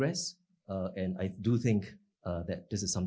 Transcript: dan saya pikir ini adalah sesuatu